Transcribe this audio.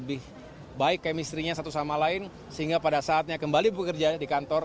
lebih baik kemistrinya satu sama lain sehingga pada saatnya kembali bekerja di kantor